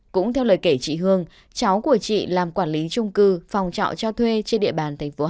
cũng theo lời kể chị hương cháu của chị làm quản lý trung cư phòng trọ cho thuê trên địa bàn tp hà nội